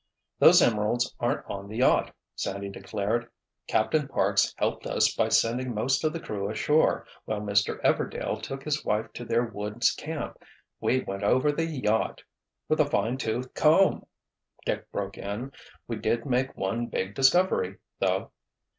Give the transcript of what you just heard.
"Those emeralds aren't on the yacht," Sandy declared. "Captain Parks helped us by sending most of the crew ashore while Mr. Everdail took his wife to their woods camp. We went over the yacht——" "With a fine tooth comb!" Dick broke in. "We did make one big discovery, though."